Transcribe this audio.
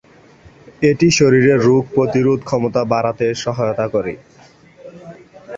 এটি শরীরের রোগ প্রতিরোধ ক্ষমতা বাড়াতে সহায়তা করে।